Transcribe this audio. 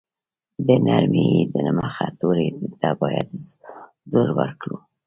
د نرمې ی د مخه توري ته باید زور ورکړو.